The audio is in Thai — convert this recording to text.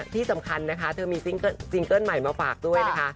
ที่สำคัญนะคะเธอมีซิงเกิ้ลใหม่มาฝากด้วยนะคะ